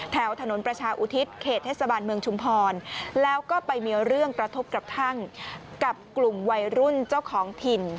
แถวถนนประชาอุทิศเขตเทศบาลเมืองชุมพรแล้วก็ไปมีเรื่องกระทบกระทั่งกับกลุ่มวัยรุ่นเจ้าของถิ่น